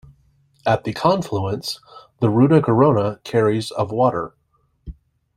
At the confluence, the Ruda-Garona carries of water.